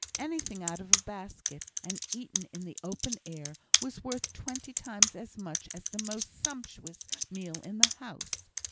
Anything out of a basket, and eaten in the open air, was worth twenty times as much as the most sumptuous meal in the house.